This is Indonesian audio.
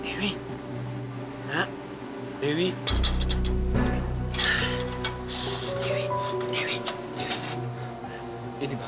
dewi pegang ini ya